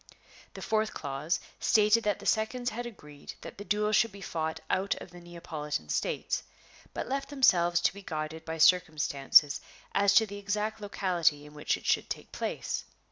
The fourth clause stated that the seconds had agreed that the duel should be fought out of the Neapolitan States, but left themselves to be guided by circumstances as to the exact locality in which it should take place.